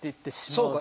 そうか。